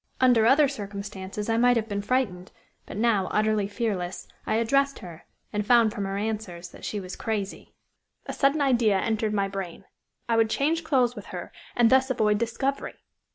Under other circumstances I might have been frightened, but now utterly fearless, I addressed her, and found from her answers that she was crazy. A sudden idea entered my brain. I would change clothes with her, and thus avoid discovery.